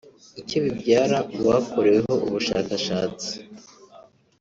Icyo bibyara mu bakoreweho ubushakatsi